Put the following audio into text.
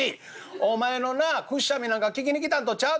お前のなくっしゃみなんか聞きに来たんとちゃうぞ！